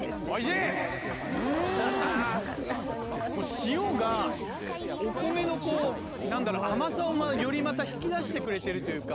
塩がお米のこう何だろ甘さをよりまた引き出してくれてるというか。